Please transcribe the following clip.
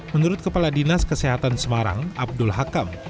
menurut kepala dinas kesehatan semarang abdul hakam